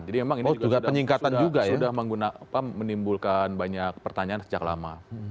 jadi memang ini juga sudah menimbulkan banyak pertanyaan sejak lama